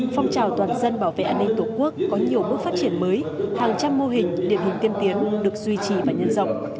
phong trào toàn dân bảo vệ an ninh tổ quốc có nhiều bước phát triển mới hàng trăm mô hình điển hình tiên tiến được duy trì và nhân rộng